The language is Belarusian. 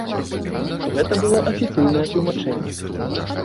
Гэта было афіцыйнае тлумачэнне.